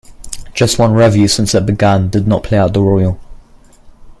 Just one revue since it began did not play at the Royal.